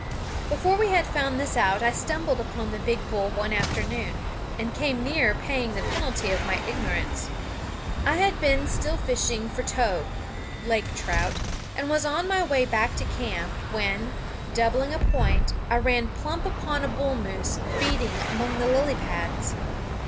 Before we had found this out I stumbled upon the big bull one afternoon, and came near paying the penalty of my ignorance. I had been still fishing for togue (lake trout), and was on my way back to camp when, doubling a point, I ran plump upon a bull moose feeding among the lily pads.